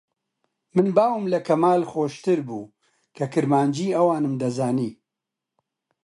من باوم لە کەمال خۆشتر بوو کە کرمانجیی ئەوانم دەزانی